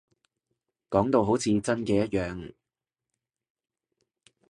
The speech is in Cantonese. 講到好似真嘅一樣